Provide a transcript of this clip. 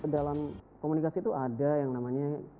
dalam komunikasi itu ada yang namanya